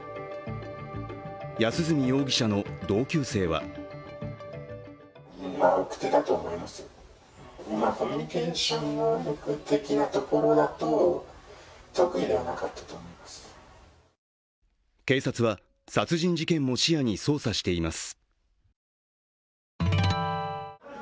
安栖容疑者の同級生は警察は殺人事件も視野に捜査しています。